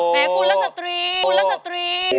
แบบกุลรสตรี